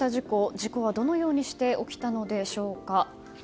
事故はどのようにして起きたのでしょうか。